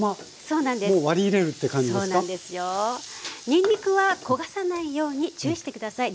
にんにくは焦がさないように注意して下さい。